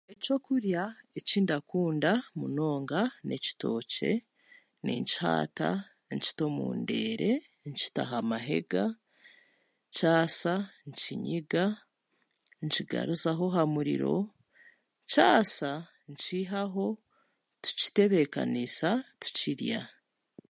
Ekyokurya ekindakunda munonga n'ekitookye, ninkihaata, nkita omu ndeere, nkita aha mahega, kyasa nkinyiga, nkigaruzaho ha muriro, kyasa nkiihaho, tukitebeekaniisa, tukirya.